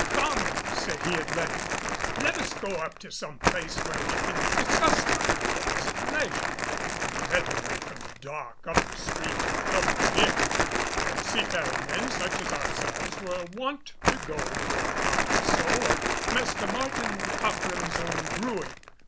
"Come," said he at length, "let us go to some place where we can discuss thy affairs at leisure." And he led the way from the dock up the street to the Pelican Inn, where seafaring men such as ourselves were wont to go for a pot or so of Master Martin Cockrem's own brewing.